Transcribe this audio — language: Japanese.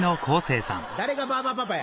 誰がバーバパパや。